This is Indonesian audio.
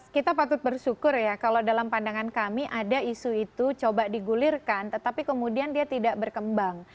kita patut bersyukur ya kalau dalam pandangan kami ada isu itu coba digulirkan tetapi kemudian dia tidak berkembang